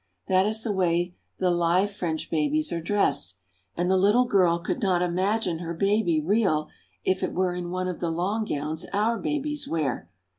That is the way the live French babies are dressed, and the little girl could not imagine her baby real if it were in one of the long gowns our babies wear.